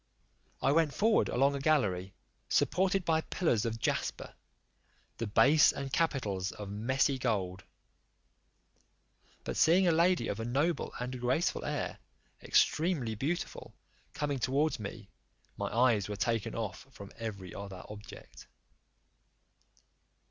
I went forward along a gallery, supported by pillars of jasper, the base and capitals of messy gold: but seeing a lady of a noble and graceful air, extremely beautiful, coming towards me, my eyes were taken off from every other objets.